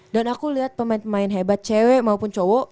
dan aku liat pemain pemain hebat cewe maupun cowok